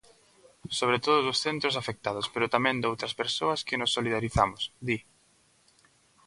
Sobre todo dos centros afectados, pero tamén doutras persoas que nos solidarizamos, di.